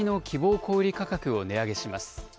小売り価格を値上げします。